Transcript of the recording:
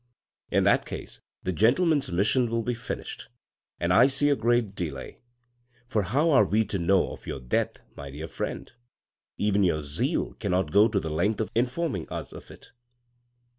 In that case that gentleman's mission will be finished, and I see a great delay, for how are we to know of your death, my dear friend ? Even your zeal cannot go to the length of informing us of it.